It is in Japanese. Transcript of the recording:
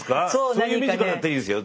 そういうミュージカルだったらいいですよ。